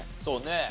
そうね。